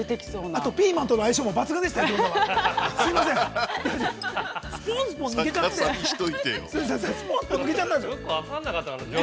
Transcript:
◆あとピーマンとの相性も抜群でしたね。